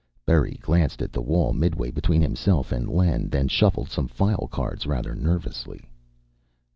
Berry glanced at the wall midway between himself and Len, then shuffled some file cards rather nervously.